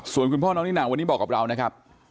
ส่วนคุณพ่อน้องนินางวันนี้บอกกับเรานะครับ